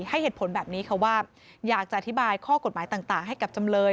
ให้เหตุผลแบบนี้ค่ะว่าอยากจะอธิบายข้อกฎหมายต่างให้กับจำเลย